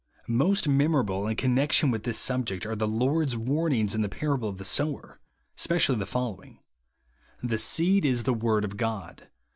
Most memorable, in connection with this subject, are the Lord's warnings in the parable of the sower, specially the following ;—" The seed is the word of God.